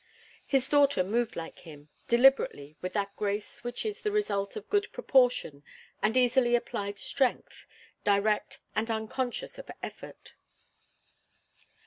His daughter moved like him, deliberately, with that grace which is the result of good proportion and easily applied strength, direct and unconscious of effort.